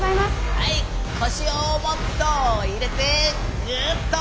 はい腰をもっと入れてグーっと！